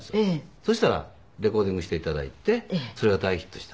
そしたらレコーディングして頂いてそれが大ヒットした。